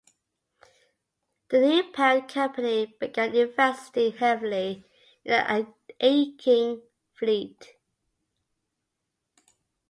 The new parent company began investing heavily in the ageing fleet.